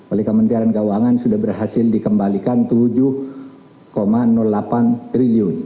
oleh kementerian keuangan sudah berhasil dikembalikan rp tujuh delapan triliun